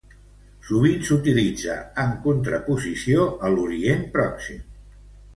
Sovint s'utilitza en contraposició a l'Orient Pròxim.